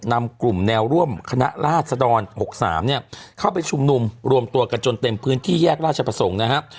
นำกลุ่มแนวร่วมคณะราชดร๖๓เนี่ยเข้าไปชุมนุมรวมตัวกันจนเต็มพื้นที่แยกราชประสงค์นะครับ